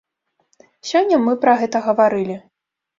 Сёння мы пра гэта гаварылі.